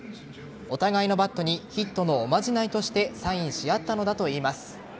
お互いのバットにヒットのおまじないとしてサインし合ったのだといいます。